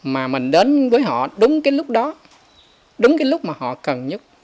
mà mình đến với họ đúng cái lúc đó đúng cái lúc mà họ cần nhất